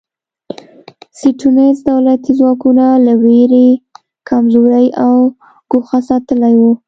سټیونز دولتي ځواکونه له وېرې کمزوري او ګوښه ساتلي وو.